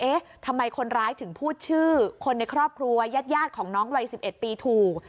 เอ๊ะทำไมคนร้ายถึงพูดชื่อคนในครอบครัวยาดของน้องวัย๑๑ปีถูก